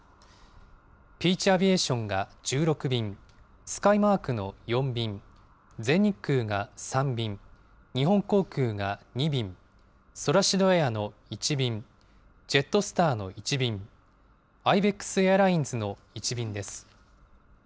ピーチ・アビエーションが１６便、スカイマークの４便、全日空が３便、日本航空が２便、ソラシドエアの１便、ジェットスターの１便、アイベックスエアラインズの１便です。